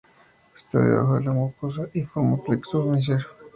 Está debajo de la mucosa y forma el plexo de Meissner.